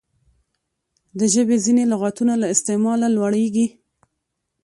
د ژبي ځیني لغاتونه له استعماله لوړیږي.